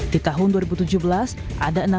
di tahun dua ribu tujuh belas ada